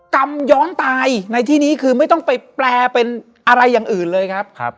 กรรมย้อนตายในที่นี้คือไม่ต้องไปแปลเป็นอะไรอย่างอื่นเลยครับ